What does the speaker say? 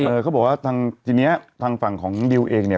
เขาบอกว่าทางทีเนี้ยทางฝั่งของดิวเองเนี่ย